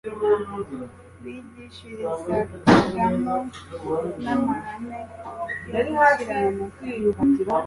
bigishirizagamo n'amahame yo gukiranuka.